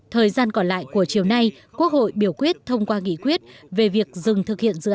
thời gian còn lại của chiều nay quốc hội biểu quyết thông qua nghị quyết về việc dừng thực hiện dự án